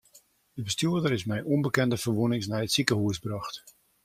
De bestjoerder is mei ûnbekende ferwûnings nei it sikehús brocht.